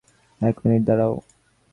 এক মিনিট দাঁড়াও!